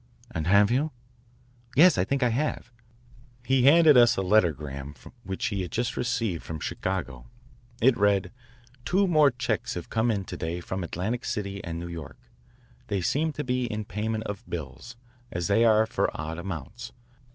"And have you? "Yes, I think I have." He handed us a lettergram which he had just received from Chicago. It read: "Two more checks have come in to day from Atlantic City and New York. They seem to be in payment of bills, as they are for odd amounts.